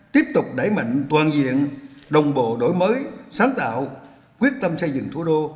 tiếp tục đẩy mạnh toàn diện đồng bộ đổi mới sáng tạo quyết tâm xây dựng thủ đô